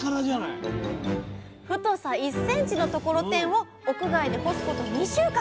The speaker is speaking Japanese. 太さ１ｃｍのところてんを屋外で干すこと２週間。